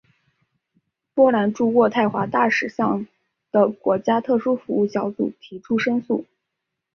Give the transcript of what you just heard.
波兰驻渥太华大使向的国家特殊服务小组提出申诉。